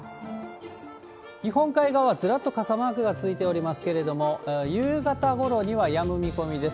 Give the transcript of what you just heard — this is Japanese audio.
日本海側、ずらっと傘マークがついておりますけれども、夕方ごろにはやむ見込みです。